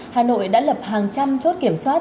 hà nội đã lập hàng trăm chốt kiểm soát